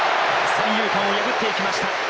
三遊間を破っていきました。